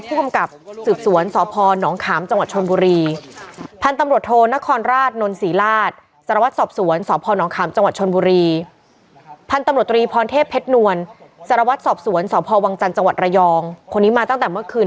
เผ็ดนวลสรวจสอบสวนสอบพอวังจันทร์จังหวัดระยองคนนี้มาตั้งแต่เมื่อคืน